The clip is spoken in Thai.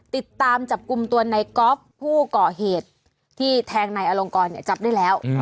ติดตามจับกลุ่มตัวในก๊อฟผู้ก่อเหตุที่แทงนายอลงกรจับได้แล้ว